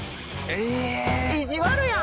意地悪やん！